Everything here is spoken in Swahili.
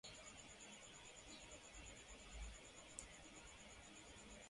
Uchafuzi hewa husababisha asilimia kumi na tano ya vifo kulingana na ripoti ya mwaka elfu mbili na kumi